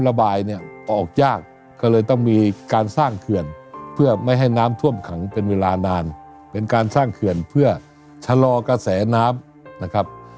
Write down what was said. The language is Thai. ระบายเนี่ยออกยากก็เลยต้องมีการสร้างเขื่อนเพื่อไม่ให้น้ำท่วมขังเป็นเวลานานเป็นการสร้างเขื่อนเพื่อชะลอกระแสน้ำนะครับ